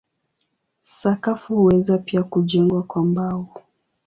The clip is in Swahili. Sakafu huweza pia kujengwa kwa mbao.